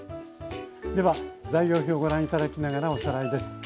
では材料表ご覧頂きながらおさらいです。